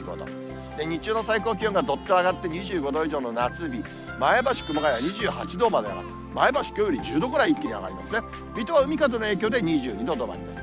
日中の最高気温がどっと上がって２５度以上の夏日、前橋、熊谷２８度まで上がって、前橋きのうより１０度上がりますね、水戸は海風の影響で、２２度止まりです。